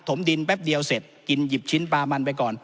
ดินแป๊บเดียวเสร็จกินหยิบชิ้นปลามันไปก่อน